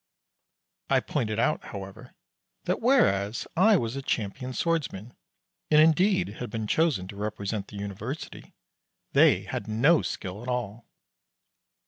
I pointed out, however, that whereas I was a champion swordsman, and indeed had been chosen to represent the University, they had no skill at all.